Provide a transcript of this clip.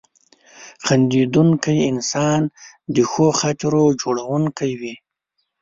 • خندېدونکی انسان د ښو خاطرو جوړونکی وي.